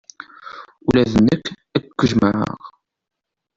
Ula d nekk ad k-jjmeɣ.